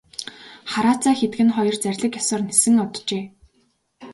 Хараацай хэдгэнэ хоёр зарлиг ёсоор нисэн оджээ.